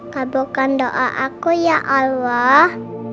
kabuhkan doa aku ya allah